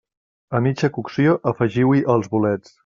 A mitja cocció afegiu-hi els bolets.